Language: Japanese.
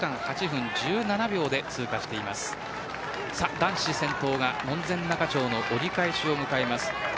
男子先頭は門前仲町の折り返しを迎えます。